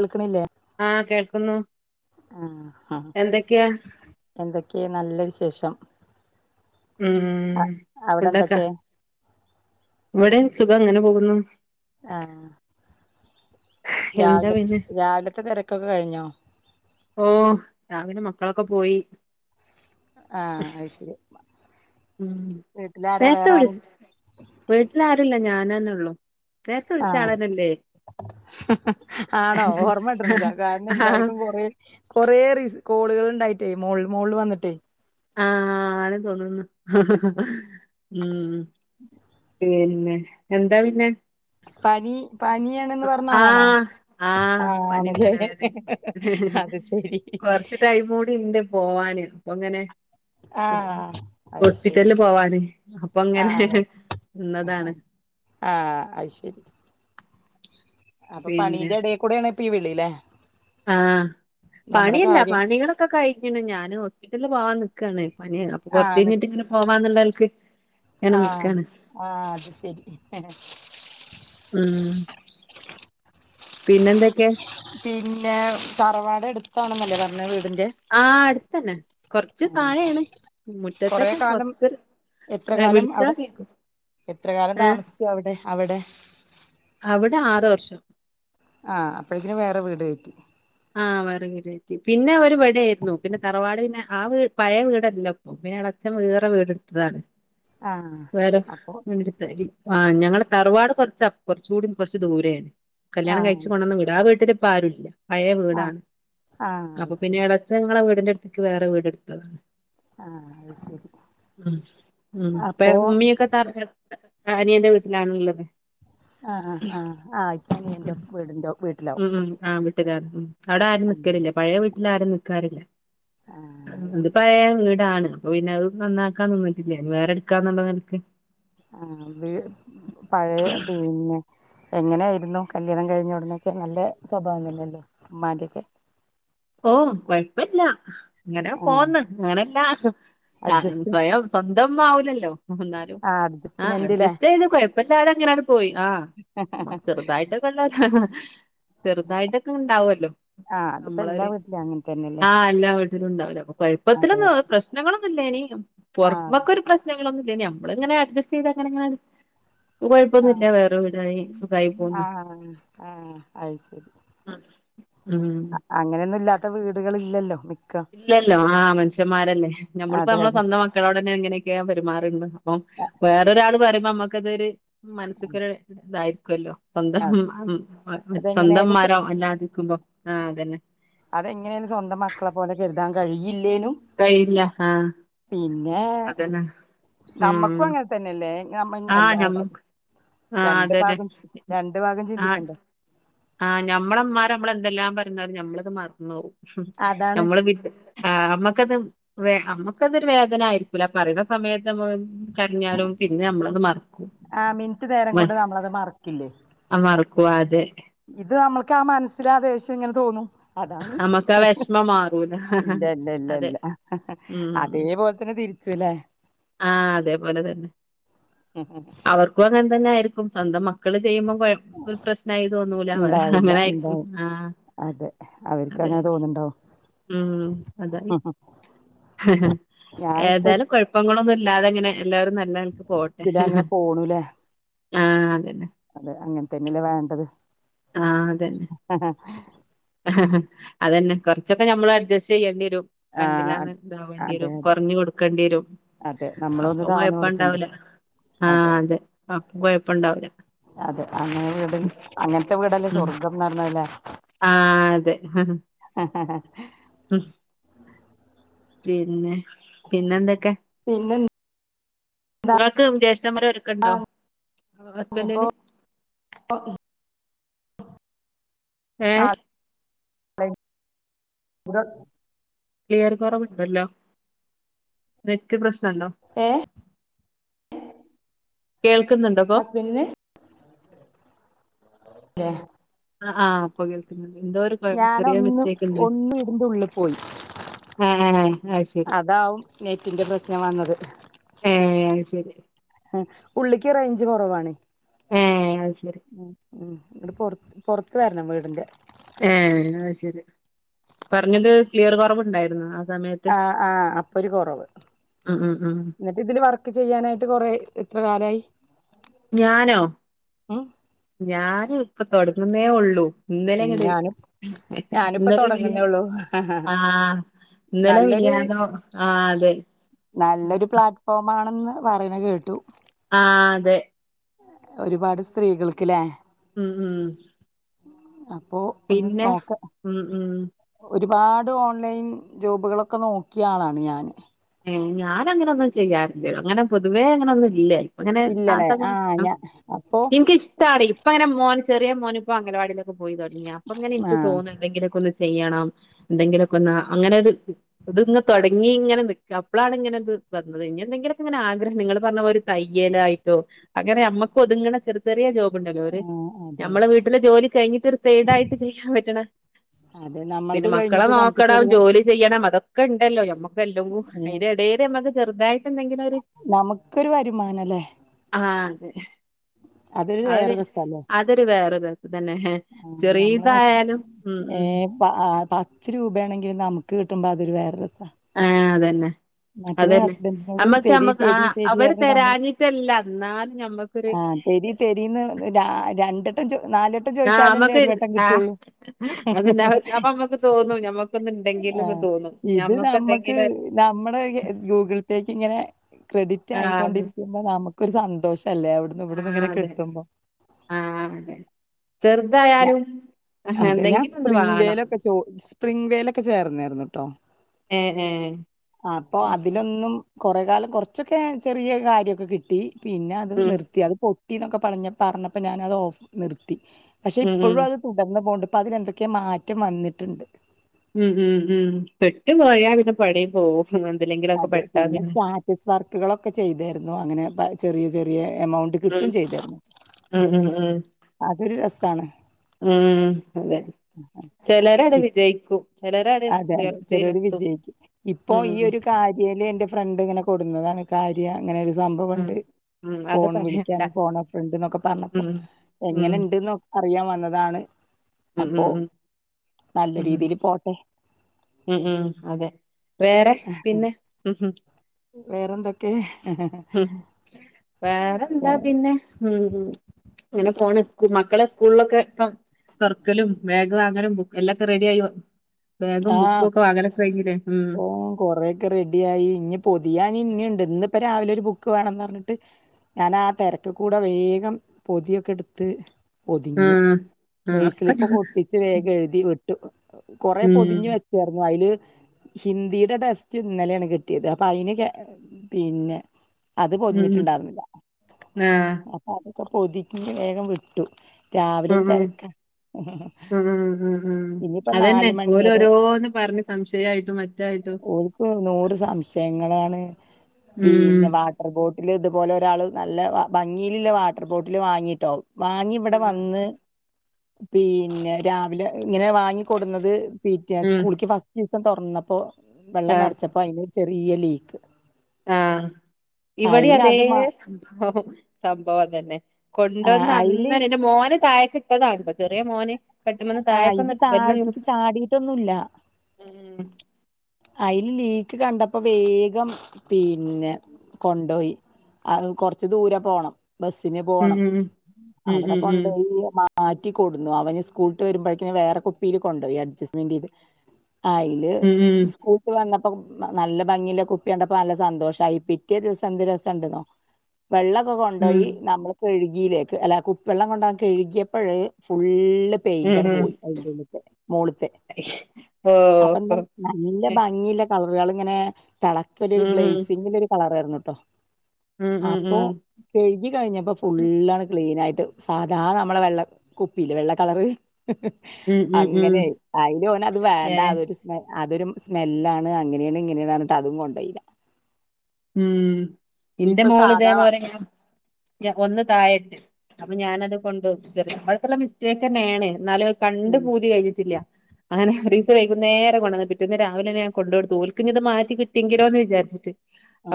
കേൾക്കണില്ലേ ആഹ കേൾക്ക്ന്ന് ആഹ് എന്തൊക്കെയാ ക്കെ നല്ല വിശേഷം ഉം അവിടെ ഉണ്ടാക്ക എന്തൊക്കെ ഇവിടെ സുഖം അങ്ങനെ പോകുന്നു എന്താ രാവില പിന്നെ രാവിലത്തെ തിരക്കൊക്കെ കഴിഞ്ഞോ ഓ രാവിലെ മക്കളൊക്കെ പോയി ആഹ അയ്ശരി ഉം നേരത്തെ വിളി വീട്ടിലാരുല്ല ഞാനന്നെ ഒള്ളൂ നേത്തെ ആഹ് വിളിച്ചളാനല്ലേ ആണോ ഓർമ്മ കിട്ടിന്നില്ല കാരണം ആഹ് എല്ലാർക്കും കൊറ കൊറേ കോളുകൾ ഉണ്ടായിട്ടേ മോള് മോള് വന്നിട്ടേയ് ആഹ ആണ് തോന്ന്ന്നു ഉം പിന്നെ എന്താ പിന്നെ പനി പനിയാണെന്ന് പറഞ്ഞ ആളാണോ ആഹ ആഹ് പനീം തലവേദനീം അത് ശരി കൊറച്ച് ടൈമൂടി ഇണ്ട് പോവാന് അപ്പൊ അങ്ങനെ ആഹ് അത് ശരി ഹോസ്പിറ്റലില് പോവാന് അപ്പൊങ്ങനെ ന്നതാണ് ആഹ അത് ശരി അപ്പൊ പണീന്റെ ഇടേകൂടെ ആാണ് ഇപ്പ ഈ വിളില്ലേ ആഹ നമ്മുടെ പണിയില്ല കാര്യം പണികളൊക്കെ കഴിഞ്ഞണ് ഞാന് ഹോസ്പിറ്റലില് പോവാൻ നിക്കാണ് പനിയാണ് അപ്പൊ കൊറച്ച് കഴിഞ്ഞിട്ട് ഇങ്ങനെ പോവാന്ന്ള്ളനെലക്ക് ആഹ ആഹ അത് ശരി ഉം പിന്നെന്തൊക്കെ പിന്നെ തറവാട് എടുത്താണെന്നല്ലേ പറഞ്ഞത് ആ അടുത്തന്നെ കൊറച്ച് താഴെയാണ് കൊറെ മുറ്റത്തന്നെ കാലം കൊറച്ച് എത്ര കാലം അവിടെ വിളിച്ചാതി എത്ര കാലം താമസിച്ചു അവിടെ അവിടെ അവിടെ ആറ വർഷം ആ അപ്പോഴേക്കും വേറെ വീട് കറ്റി ആ വേറരുച്ചി പിന്നെ അവര് വിടെ ആയിരുന്നു പിന്നെ തറവാട് പിന്നെ ആ വീ പഴ വീടല്ലോപ്പൊ പിന്നെ അളച്ചൻ വേറെ വീടെടുത്തതാണ് ആഹ് വേറെ അപ്പൊ കൊണ്ടിടുത്തരി ആ ഞങ്ങളടെ തറുവാട് കുറച്ച കുറച്ച കൂടി കുറച്ച് ദൂരെയാണ് കല്യാണം ആഹ് കഴിച്ചച്ച് കൊണ്ടുവന്ന വീട ആ വീട്ടില് ഇപ്പോ ആരുല്ല പഴയ ആഹ് വീടാണ് ആഹ് അത് അപ്പൊ പിന്നെ ശരി ഇടച്ചങ്ങളെ വീ അതിന്റെ അടുത്തേക്ക് വേറെ വീടെ എടുത്തതാണ് ആഹ് അത് ശരി അപ്പോ പമീക്ക ത ആനിയ എന്റെ വീട്ടിലാണുള്ളത് ആ ആ ആ ആ ആയി ഉ ഉം ഉം ആ അവിടെ ആരും നിക്കലില്ല പഴയ വീട്ടിൽ ആരും നൽക്കാറില്ല ആഹ് അത് ശരി പറയാ ഇങ്ങീടാണ് അപ്പൊ പിന്നെ അത് നന്നാക്കാൻ നിന്നിട്ടില്ല വേറെ എടുക്കാന്നുള്ളത് നിനക്ക് ആ വി പഴയ പിന്നെ എങ്ങനെയായിരുന്നു കല്യാണം കഴിഞ്ഞ ഉടുന്നൊക്കെ നല്ല സ്വഭാവമല്ലല്ലോ ഉമ്മാന്റെക്കെ ഓ കൊഴപ്പില്ല ഇങ്ങനെ ആഹ് പോന്ന് അങ്ങനല്ല ആ അഡ്ജസ്റ്റ് സ്വയം സ്വന്തം ആവലല്ലോ ഒന്നാലും ആഹ് ആ അഡ്ജസ്റ്റ്മെന്റ്ല്ലേ അഡ്ജസ്റ്റ് ചെയ്ത് കുഴപ്പല്ലരും എങ്ങനെയാണ് പോയി ആ നമ്മക്ക് ചെറുതായിട്ടൊ കൊള്ള ചെറുതായിട്ടൊക്കെ ഉണ്ടാവല്ലോ നമ്മളരു ഇത് അങ്ങനേ തന്നെ ആ എല്ലാ വീട്ടിലും ഉണ്ടാവില്ല അപ്പൊ അതെ അതെ കൊഴപ്പത്തിലൊന്നുംശ്നങ്ങളൊന്നും ഇല്ല ഇനി ആഹ് പുറമക്കൊ ഒരു പ്രശ്ന നമ്മള ഇങ്ങനെ അഡ്ജസ്റ്റ് ചെയ്തങ്ങന ആ ആ പോന്ന് ആ അയി ശരി ഉം അങ്ങനെയൊന്നുംല്ലാത്ത വീടുകളില്ലല്ലോ മിക്ക ഇല്ലല്ലോ ആ മനുഷ്യന്മാരല്ലേ നമ്മിപ്പോ അതെ അതെ നമ്മളെവന്ത മക്കളോടന്നെ എങ്ങനെയൊക്കെയാ പെരുമാറണ്ട് അപ്പം വേറൊരാള് പറയുമ്പോ നമ്മുക്കതൊരു മനസ്സക്കൊരു ഇതായിരിക്കുമല്ലോ സ്വന്തം അതെ സ്വന്തംമാരോ അല്ലാതിരിക്കുമ്പോ ആഹ് അതന്നെ അതെങ്ങനെയും സ്വന്തം മക്കളെ പോലെ കരുതാൻ കഴിയില്ലേനു കയ്യില്ല ആ പിന്നെ നമ്മക്കും ഉം അങ്ങനെ തന്നെല്ലേ നമ്മ ആഹ് എല്ലാം ഞമ്മക്ക് ആഹ് അതന്നെ രണ്ട്ഭാഗം രണ്ടു ഭാഗം ചിന്തിക്കണ്ടേ ആ ഞമ്മളമാർ നമ്മള എന്തെല്ലാം പറഞ്ഞ ഞമ്മളത് മറന്നു പോകും അതാണ് നമ്മള് വിമ്മക്കത്മ്മക്കത് വേദന ആയിരിക്കൂല പറയുന്ന സമയത്ത് കരിഞ്ഞാലും പിന്നെ നമ്മളത് മറക്കും ആ മിനിറ്റ് നേരം കൊണ്ട് മറക്കും നമ്മളത് മറക്കില്ലേ ആ ക്കവാതെ ഇത് നമ്മൾക്ക് ആ മനസ്സിലാകശം ഇങ്ങനെ തോന്നും അതാണ് നമ്മക്ക് ആ വിഷമം മാറൂല ഇല്ല ഇല്ല ഇല്ല അതെ ഇല്ല ഉം അതേപോലെ തന്നെ തിരി ചില ആ അതേപോലെ തന്നെ അവർക്കും അങ്ങനെ തന്നെ ആയിരിക്കും സ്വന്തം മക്കൾ ചെയ്യുമ്പോ ഒരു പ്രശ്നമായി തോന്നൂല അവ ഉണ്ടാവില്ല അങ്ങനായിരിക്കും ഉണ്ടാവും ആ അതെ അവർക്ക് അതെ അങ്ങനെ തോന്നുന്നുണ്ടോ ഉം അത ഞാൻ ഇപ്പൊ ഏതായാലും കുഴപ്പ ന്നല്ലാതെങ്ങനെ എല്ലാരും നല്ല ആൾക്ക് പോട്ടെ ഇതിൽ അങ്ങനെ പോണൂലേ ആ അതന്ന അതെ അങ്ങനെത്തന്നെയല്ലേ വേണ്ടത് ആഹ അതന്നെ ആഹ ആ അതന്നെ കൊറച്ചൊക്കെ നമ്മൾ അഡ്ജസ്റ്റ് ചെയ്യേണ്ടി ആ കണ്ടില്ലന്ന് അത് ഇതാവേണ്ടി അതെ വരും അതെ കുറഞ്ഞു കൊടുക്കേണ്ടി വരും അതെ നമ്മളൊന്ന് അപ്പം താന്ന് കൊഴപ്പം കൊടുക്കണ്ടേ ഇണ്ടാവൂല ആഹ അതെ അപ്പം കൊഴപ്പംണ്ടാവൂല അതെ അങ്ങനെ വീട് അങ്ങനത്തെ വീടല്ലേ സ്വർഗംന്ന് പറഞ്ഞല്ലേ ആ അതെ ഉ പിന്നെ പിന്നെ എന്തൊക്കെ പിന്നെ നിങ്ങൾക്ക് ജ്യേഷമര ഒക്കണ്ടോ ഇനിയിപ്പോ ഹസ്ബൻഡന് [unintelligible] ആഏ ഉ ക്ലിയർ കുറവുണ്ടല്ലോ നെത്യ പ്രശ്നം ല്ലോ ഏ കേൾക്കുന്നുണ്ടപ്പോ ഹസ്ബൻഡിന് െ [inaudible] ആ ഇപ്പൊ കേൾക്കുന്നുണ്ട് എന്തോ ഒരു ചെറിയ ഞാനൊന്ന് മിസ്റ്റേക്ക് ഉണ്ട് ഒന്ന് വീടിന്റെ ഉള്ളിൽ പോയി ആ ആ ശരി അതാവും നെറ്റിന്റെ പ്രശ്നം വന്നത് ഏ ശരി. ഉള്ളിക്ക് റേഞ്ച് കൊറവാണെ, ഏഹ് അത് ശരി ഉം ങ്ങട് പൊറത്ത് ത്തു വരണം വീടിന്റെ. ഏ അ ശരി പറഞ്ഞത് ക്ലിയർ കുറവുണ്ടായിരുന്നു ആ. സമയത്ത് ആ ആ അപ്പൊരു കൊറവ് ഉം ഉം ഉം എന്നിട്ട് ഇതില് വർക്ക് ചെയ്യാനായിട്ട് കൊറെ എത്ര കാലായി? ഞാനോ ഉം ഞാനിപ്പ തൊടങ്ങുന്നേ ഉള്ളൂ. ഉം ഞാനും ഞാനിപ്പോ ഇന്നലേം മിനിയാ തുടങ്ങുന്നേള്ളൂ ആ ഇന്നലെ നല്ലൊരു മിനിയാന്നോ ആ അതെ നല്ലൊരു പ്ലാറ്റ്ഫോം ആണെന്ന് പറയണ കേട്ടു. ആ അതെ. ഒരുപാട് സ്ത്രീകൾക്ക്ല്ലേ. ഉം ഉം ആ പിന്നെ ഒരുപാട് ഓൺലൈൻ ജോബുകളൊക്കെ നോക്കിയ ആളാണ് ഞാന്. ഏ ഞാനങ്ങനൊന്നും ചെയ്യാറില്ല അങ്ങനെ പൊതുവേ അങ്ങനൊന്നും ഇല്ല. എങ്ങനെ ഇല്ലല്ലേ താത്തെങ്ങനെ? ആഹ് ഞാ അപ്പൊ എനിക്കിഷ്ടാണ് ഇപ്പ അങ്ങനെ മോൻ ചെറിയ മോനിപ്പ അംഗനവാടിലൊക്കെ പോയി തുടങ്ങിയ അപ്പോങ്ങനെ എനിക്ക് ആഹ് തോന്നു എന്തെങ്കിലക്കെ ഒന്നു ചെയ്യണം എന്തെങ്കിലൊക്കെ ഒന്നു അങ്ങനെ ഒരു ഇത്ങ്ങ തുടങ്ങി ഇങ്ങനെ നി ക്കപ്പളാണ് ഇങ്ങനെത് വന്നത് ഇനി എന്തെങ്കിലും ഒക്കെങ്ങനെ ആഗ്രഹം നിങ്ങൾ പറഞ്ഞ പോലെ ഒരു തയ്യലായിട്ടോ അങ്ങനെ അമ്മക്ക് ഒതുങ്ങണ ചെറിയ ചെറിയ ജോബ് ഉണ്ടല്ലോ ഓര് ആഹ് അതെ ഞമ്മളെ അതെ വീട്ടിലെ ജോലി കഴിഞ്ഞിട്ട് ഒരു സൈഡായിട്ട് ചെയ്യാൻ പറ്റണ അതെ പിന്നെ നമ്മളത് മക്കളെ കഴിഞ്ഞിട്ട് നമുക്ക് നോക്കണം ചെറുത ജോലി ചെയ്യണം അതൊക്കെണ്ടല്ലോ ഞമ്മക്ക് എല്ലാംകൂ ഏഹ് അതിന്റെ എടയില് നമ്മക്ക് ചെറുതായിട്ട് എന്തെങ്കിലും ഒരു, നമുക്കൊരു വരുമാനല്ലേ ആ. അതൊരു അവര് വേറെ രസല്ലേ അതൊരു വേറൊര് അതന്നെ ആഹ് ചെറിയ നമ്മള് ഇതായാലും ഉം ഏ ഉം. പ ആ പത്ത് രൂപയാണെങ്കില നമുക്ക് കിട്ടുമ്പോ അതൊരു വേറെ രസാ. ആ അതന്നെ. മറ്റേത് അതന്നെ ഹസ്ബൻഡിനോട് നമ്മക്ക് തരി നമ്മക്ക് ആ തരി തരി അവര് പറഞ്ഞ് നമ്മള് തരാഞ്ഞിട്ടല്ല എന്നാലും ഞമ്മക്കൊരു ആ തെരി തെരീന്ന് രണ്ട് നാല് വട്ടം ആ ചോദിച്ചാലല്ലേ നമ്മക്ക് ഒരു വട്ടം ആ കിട്ടുള്ളൂ. അതന്നെ അവര് അപ്പൊ നമ്മക്ക് തോന്നും ഞമ്മക്കൊന്നും ഉണ്ടെങ്കിൽ ആ എന്ന് തോന്നും ഇത് ഞമ്മക്ക് നമ്മുക്ക് എന്തെങ്കിലും ഒരു- നമ്മടെ ഗൂഗിൾ പേക്ക് ഇങ്ങനെ ക്രെഡിറ്റ് ആ അത് ആയിക്കൊണ്ടിരിക്കുമ്പോ നമുക്കൊരു സന്തോഷം അല്ലേ അവിടുന്ന് ആ ഇവിടന്ന് ഇങ്ങനെ അതെ കിട്ടുമ്പ. ആ അതെ ഞാ ചെറുതായാലും അതെ ഞാൻ എന്തെങ്കിലും ഒന്ന് സ്പ്രിംഗ് വേണം വേലൊക്കെ ജോ സ്പ്രിംഗ് വേലൊക്കെ ചേർന്നായിരുന്നു കേട്ടോ. ഏ ഏ അപ്പൊ അത് ശരി അതിലൊന്നും കൊറെ കാലം കുറച്ചൊക്കെ ചെറിയ കാര്യോക്കെ കിട്ടി പിന്നെ അത് ഉം നിർത്തി അത് പൊ ട്ടീന്നൊക്കെ പറഞ്ഞപ്പോ ഞാനത് ഓഫ് നിർത്തി പക്ഷെ ഉം ഇപ്പോഴും ഉം അത് തുടർന്ന പോണ്ട്. ഇപ്പതിനെന്തൊക്കെയോ മാറ്റം വന്നിട്ടുണ്ട്. ഉം ഉം ഉം പെട്ട് പോയാ പിന്നെ പണി പോവും എന്തിലെങ്കിലൊക്കെ അതെ പെട്ടാ പിന്നെ സ്റ്റാറ്റസ് വർക്കുകളൊക്കെ ചെയ്തായിരുന്നു അങ്ങനെ പ ചെറിയ ചെറിയ എമൗണ്ട് ഉം കിട്ട്വേം ചെയ്തരുന്നു. ഉം ഉം ഉം അതൊരു രസാണ്. ഉം അതെ ചെലരടെ ഇ- വിജയിക്കും. ചിലരട് അതെ അതെ ചേലോവര് ഉയർച്ചയിലെത്തും വിജയിക്കും. ഇപ്പൊ ഉം ഈ ഉം ഒരു കാര്യേല് എന്റെ ഫ്രണ്ട് ഇങ്ങനെ കൊടുന്നതാണ് കാര്യ അങ്ങനെ ഒരു ഉം സംഭവുണ്ട്. ഉം അത് ഫോൺ പറയണ്ട വിളിക്കാനും ഫോൺ എ ഫ്രണ്ട്ന്നൊക്കെ പറഞ്ഞപ്പോ ഉം ഉം എങ്ങനെണ്ട്ന്നു നോക്കാം. അറിയാൻ വന്നതാണ് ഉം ഉം അപ്പോ ഉം നല്ല ഉം ഉം രീതിൽ പോട്ടെ. ഉം ഉം അതെ വേറെ പിന്നെ ഉ വേറെന്തൊക്കെ ഉം വേറെന്താ പിന്നെ ഉ അങ്ങനെ പോണ് മക്കളെ സ്കൂളിലൊക്കെ പ... തെർക്കലും ബാഗ് വാങ്ങാനും ബുക്കും എല്ലാംക്കെ റെഡിയായി ബാഗും ബുക്കും ആഹ് ഒക്കെ വാങ്ങാലൊക്കെ കഴിഞ്ഞില്ലേ.. ഉം ഓ കൊറെൊക്കെ റെഡിയായി ഇനി പൊതിയൻ ഇന്നുണ്ട് ഇന്ന്. രാവിലെ ഒരു ബുക്ക് വേണംന്ന് പറഞ്ഞിട്ട് ഞാൻ ആ തിരക്ക് കൂടെ വേഗം പൊതിയൊക്കെ എടുത്ത്. പൊതിഞ്ഞു ഉം ഉം ഒക്കെ നെയ്സിലിപ്പൊ പൊട്ടിച്ച് വേഗം എഴുതി വിട്ടു. കൊറെ ഉം പൊതിഞ്ഞഞ് വെച്ചരുന്നു അതില്. ഹിന്ദിയുടെ ടെസ്റ്റ് ഇന്നലെയാണ് കിട്ടിയത് അപ്പൊ അയിന് പിന്നെ. അത് ഉം പൊതിഞ്ഞിട്ടുണ്ടായിരുന്നില്ലാ ആഹ് അപ്പൊ അതൊക്കെ പൊതിഞ്ഞ് വേഗം വിട്ടു. രാവിലെ ഒരു ഉം ഉം തിരക്കാ ഇനിയിപ്പോ അതന്നെ നാല് ഓലോ ഓരോന്ന് പറഞ്ഞ് സംശയമായി. ഓരുപ്പോ നൂറ് സംശയങ്ങളാണ്. ഉം പിന്നെ വാട്ടർ ബോട്ടിൽ,,,. പോലെ ഒരാള് നല്ല ഭംഗിയിലുള്ള വാട്ടർ ബോട്ടിൽ വാങ്ങിട്ടാകും വാങ്ങി ഇവിടെ ഉം വന്ന്.. പിന്നെ രാവിലെ ഇങ്ങനെ വാങ്ങി കൊടുന്നത് പിറ്റേദിവസം ഉം സ്കൂളക്ക് ഫസ്റ്റ് ദിവസം. തുറന്നപ്പോ വെള്ളം നിറച്ചപ്പോ അതിന് ചെറിയ ലീക്ക്. ആ ഇവിടെ അയില് അതേ അത് മാ സംഭവം സംഭവം അതന്നെ കൊണ്ടുവന്ന് അയില് അന്ന് എൻറെ മോന് തായ. കിട്ടതാണ് ഇപ്പൊ ചെറിയ മോനെ. ആ ഇത് താഴേക്കൊന്ന് വരണമെന്ന്... താഴത്തേക്ക് ചാടിയിട്ടൊന്നുല്ല അൽ ലീക്ക് കണ്ടപ്പോ വേഗം പിന്നെ കൊണ്ടോയി. അ കൊറച്ച് ദൂരെ പോണം ബസിന് ഉം പോണം ഉം ഉം അവിടെ ഉം ഉം കൊണ്ട് പോയിഈ.. മാറ്റികൊടുന്നു അവന് സ്കൂളിട്ട് വരുമ്പോഴേക്കനെ വേറെ കുപ്പിയിൽ കൊണ്ടോയി അഡ്ജസ്റ്റ്മെന്റ് ചെയ്ത്. അയില്. ഉം ഉം അത്ത് വന്നപ്പോ നല്ല ഭംഗിയില്ല കുപ്പി കണ്ടപ്പോ നല്ല സന്തോഷമായി പിറ്റേ ദിവസം എന്ത്തു രസം ഉണ്ട് ന്നോ രസുണ്ടെന്നോ. വെള്ളക്കെ ഉം കൊണ്ടുപോയി നമ്മൾ കഴുക.. യിലേക്ക് അല്ല കുപ്പെള്ളം കൊണ്ട് പോകാൻ കഴുകിയപ്പോഴ ഫുൾ.. പൈന്റ് ഉം ഉം ങ്ങട്ട്പോയി അതിന്റെ ഉള്ളിലത്തെ മോളിത്തെ ഓ അപ്പൊ ന്ന... ഓ ല്ലഭംഗില്ല കളറുകൾ ഇങ്ങനെ തളക്ക ഒരു ഉം ഉം ഗ്ലേസിങ്ങിലെ ഒരു കളറായിരുന്നുട്ടോ.. ഉം ഉം അപ്പൊ കഴുകി കഴിഞ്ഞപ്പോ ഉം ഫുള്ളാണ് ക്ലീൻ ആയി. സാധാ നമ്മളെ വെള്ള കുപ്പിയില് വെള്ള കളർ ഉം ഉം ഉം അങ്ങനെ ആയില് അത് ഏ വേണ്ട അതൊരു സ് അതൊരു സ്മെല്ലാണ് അങ്ങനെയാണ് ഇങ്ങനെയാണ് പറഞ്ഞിട്ട്അതും കൊണ്ടയില്ല ഉം എന്റെ മോള് ഇതേ സാധാ വ- പോലെ ഒന്ന് താഴട്ട് അപ്പൊ ഞാനത് കൊണ്ട ചെറ നമ്മൾക്കുള്ള മിസ്റ്റേക്ക് തന്നെയാണ് എന്നാലും അത്കണ്ട് ഉം പൂതി കഴിഞ്ഞിട്ടില്ല അങ്ങന ഒരീസം വൈകുേന്നരം കൊണ്ടുവന്ന് പിറ്റന്ന് രാവിലെഞാൻ കൊണ്ട്കൊടുത്തുഓൽക്കിഞ്ഞി മാറ്റി കിട്ടി എങ്കിലോ എന്ന് വിചാരിച്ചു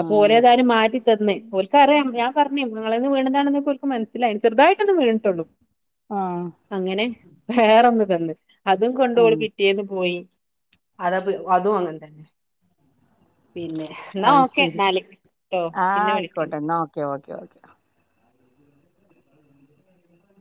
അപ്പൊ ഓരേഏതായാനും മാറ്റി തന്നുഓൽക്ക് അറിയാം ഞാൻ പറഞ്ഞ് നള വീണതാണെന്ന് മനസ്സിലായി ചെറതായിട്ടൊ ഒന്ന് വീണട്ടുള്ളൂ ആഹ് അങ്ങനെ വേറൊന്ന് തന്നു അതുകൊണ്ട് ഉം ഒലപിറ്റേന്ന് പോയി അത അതും അങ്ങെ തന്നെ അത് പിന്നെ ഓക്കെ ശരി എന്നാല് ട്ടോ ആഹ പിന്നെ വിളിക്ക ആയിക്കോട്ടെ എന്നാ ഓക്കെ ഓക്കെ ഓക്കെ